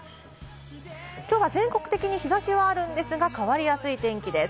きょうは全国的に日差しはあるんですが、変わりやすい天気です。